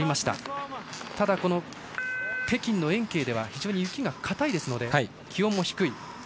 ただ、北京の延慶では非常に雪がかたいですので気温も低い。